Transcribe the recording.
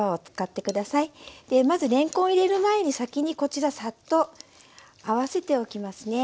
まずれんこんを入れる前に先にこちらサッと合わせておきますね。